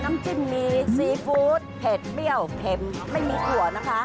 น้ำจิ้มมีซีฟู้ดเผ็ดเปรี้ยวเข็มไม่มีถั่วนะคะ